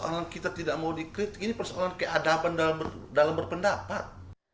orang kita tidak mau dikritik ini persoalan keadaban dalam berpendapat